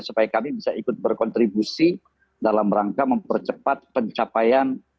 supaya kami bisa ikut berkontribusi dalam rangka mempercepat pencapaian